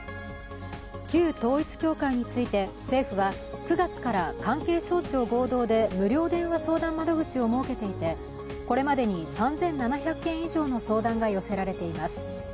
旧統一教会について、政府は９月から関係省庁合同で無料電話相談窓口を設けていてこれまでに３７００件以上の相談が寄せられています。